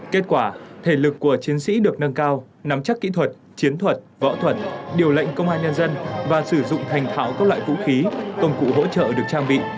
kết quả thể lực của chiến sĩ được nâng cao nắm chắc kỹ thuật chiến thuật võ thuật điều lệnh công an nhân dân và sử dụng thành thạo các loại vũ khí công cụ hỗ trợ được trang bị